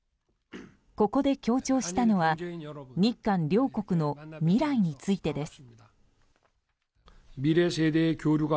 ここで強調したのは日韓両国の未来についてです。